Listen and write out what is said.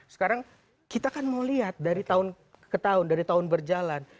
sekarang kita kan mau lihat dari tahun ke tahun dari tahun berjalan